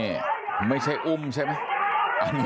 นี่ไม่ใช่อุ้มใช่ไหม